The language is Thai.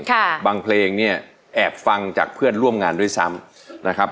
บางเพลงเนี่ยแอบฟังจากเพื่อนร่วมงานด้วยซ้ำนะครับ